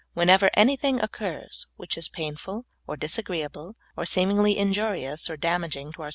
Whenever anything oc curs that is painful, or disagreeable, or seemingly in jurious, or damaging to our